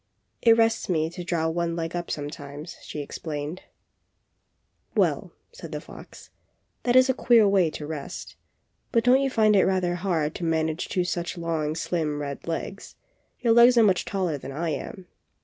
"It rests me to draw one leg up sometimes," she explained. THE FOX AND THE STORK. 41 "Well/^ said the fox, ^^that is a queer way to rest. But don't you find it rather hard to manage two such long, slim, red legs? Your legs are much taller than I am."